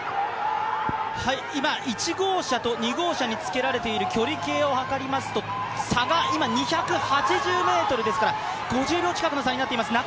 今、１号車と２号車につけられている距離計を計りますと差が今２８０ｍですから、５０秒近くの差になってきています